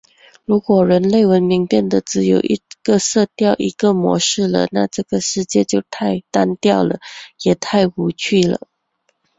如果人类文明变得只有一个色调、一个模式了，那这个世界就太单调了，也太无趣了！